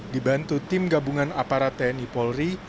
dibantu tim gabungan aparat tni polri